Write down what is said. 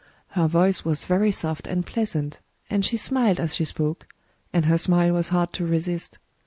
* Her voice was very soft and pleasant; and she smiled as she spoke; and her smile was hard to resist.